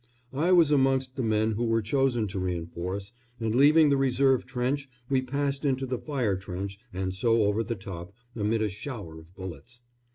I was amongst the men who were chosen to reinforce, and leaving the reserve trench we passed into the fire trench and so over the top, amid a shower of bullets.